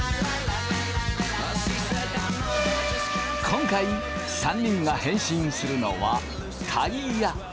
今回３人が変身するのはタイヤ。